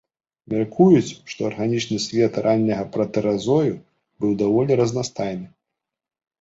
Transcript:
Мяркуюць, што арганічны свет ранняга пратэразою быў даволі разнастайны.